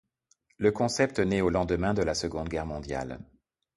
Le concept nait au lendemain de la Seconde Guerre mondiale.